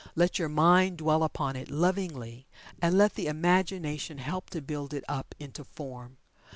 Let your mind dwell upon it lovingly and let the imagination help to build it up into form.